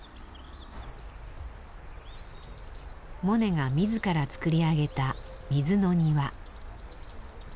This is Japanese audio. モネが自ら作り上げた「水の庭」。